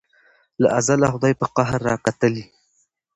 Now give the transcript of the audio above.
له ازله خدای په قهر را کتلي